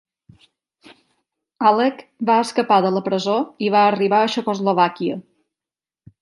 Alleg va escapar de la presó i va arribar a Txecoslovàquia.